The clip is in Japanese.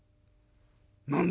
「何だ